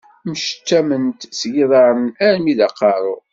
Mcettament seg yiḍaṛṛen armi d aqeṛṛu.